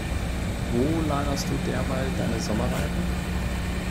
Wo lagerst du derweil deine Sommerreifen?